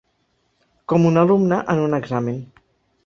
Com una alumna en un examen.